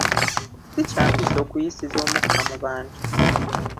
Si kya mpisa okuyisiza omukka mu bantu.